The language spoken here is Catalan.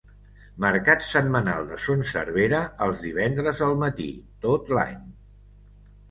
Mercat setmanal de Son Servera els divendres al matí, tot l'any.